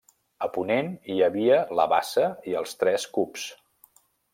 A ponent hi havia la bassa i els tres cups.